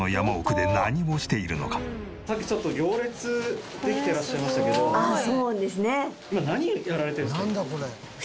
ここさっきちょっと行列できていらっしゃいましたけど今何やられてるんですか？